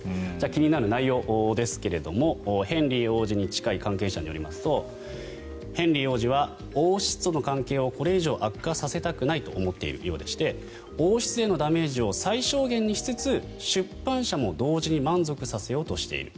気になる内容ですがヘンリー王子に近い関係者によりますとヘンリー王子は王室との関係をこれ以上悪化させたくないと思っているようでして王室へのダメージを最小限にしつつ出版社も同時に満足させようとしている。